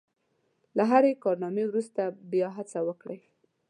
له هرې ناکامۍ وروسته بیا هڅه وکړئ.